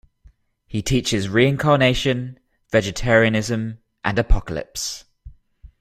He teaches reincarnation, vegetarianism, and apocalypse.